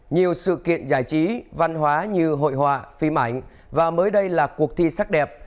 nhiều sự kiện giải trí văn hóa như hội họa phim ảnh và mới đây là cuộc thi sắc đẹp